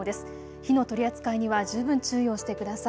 火の取り扱いには十分注意をしてください。